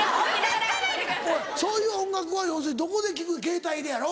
おいそういう音楽は要するにどこで聴くケータイでやろ？